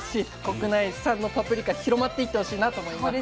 国内産のパプリカ広まっていってほしいなと思います。